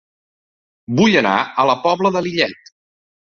Vull anar a La Pobla de Lillet